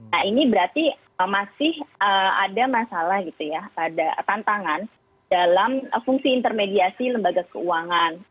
nah ini berarti masih ada masalah gitu ya ada tantangan dalam fungsi intermediasi lembaga keuangan